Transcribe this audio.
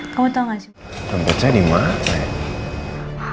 kamu tau gak sih